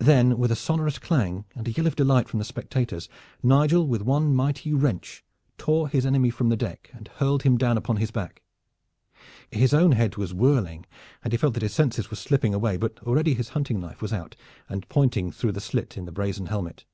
Then, with a sonorous clang, and a yell of delight from the spectators, Nigel with one mighty wrench tore his enemy from the deck and hurled him down upon his back. His own head was whirling and he felt that his senses were slipping away, but already his hunting knife was out and pointing through the slit in the brazen helmet.